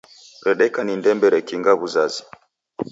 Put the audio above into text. Redeka ni ndembe rekinga w'uzazi